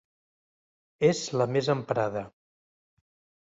És la més emprada.